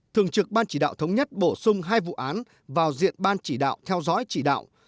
thường trực ban chỉ đạo thống nhất bổ sung hai vụ án vào diện ban chỉ đạo theo dõi chỉ đạo